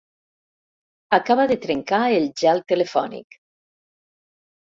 Acaba de trencar el gel telefònic.